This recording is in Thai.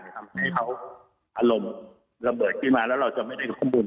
ทำให้เขาอารมณ์ระเบิดขึ้นมาแล้วเราจะไม่ได้รู้ข้อมูล